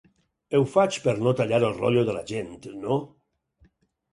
Ho faig per no tallar el rotllo de la gent, no?